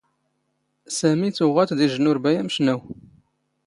ⵙⴰⵎⵉ ⵜⵓⵖⴰ ⵜ ⴷ ⵉⵊⵊ ⵏ ⵓⵔⴱⴰ ⴰⵎⵛⵏⴰⵡ.